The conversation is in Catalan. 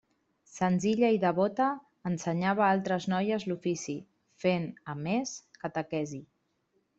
Senzilla i devota, ensenyava altres noies l'ofici, fent, a més, catequesi.